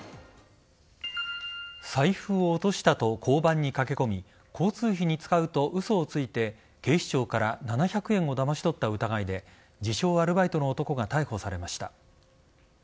財布を落としたと交番に駆け込み交通費に使うと嘘をついて警視庁から７００円をだまし取った疑いで自称・アルバイトの男が逮捕されました。